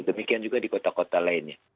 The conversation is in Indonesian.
demikian juga di kota kota lainnya